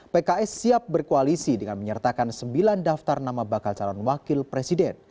pks siap berkoalisi dengan menyertakan sembilan daftar nama bakal calon wakil presiden